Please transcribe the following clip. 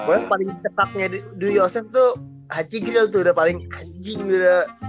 gue paling cekaknya dwi yosef tuh haci grill tuh udah paling anjing udah